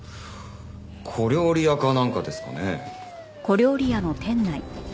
小料理屋かなんかですかね？